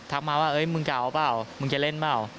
มาว่ามึงจะเอาเปล่ามึงจะเล่นเปล่า